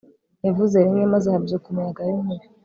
yavuze rimwe, maze habyuka umuyaga w'inkubi